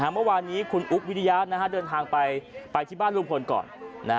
เมื่อวานนี้คุณอุ๊บวิริยะเดินทางไปที่บ้านลุงพลก่อน